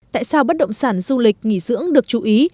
tại sao bất động sản du lịch nghỉ dưỡng được chú ý